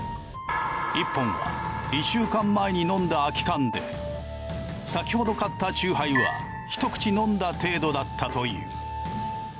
１本は１週間前に飲んだ空き缶で先ほど買ったチューハイは一口飲んだ程度だったという。